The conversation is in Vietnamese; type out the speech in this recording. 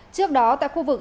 trước đó tại khu vực